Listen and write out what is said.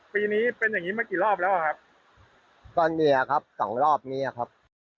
ปีนี้เป็นอย่างงี้มากี่รอบแล้วครับตอนนี้ครับสองรอบนี้ครับ